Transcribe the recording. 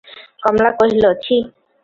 কমলা কহিল, ছি!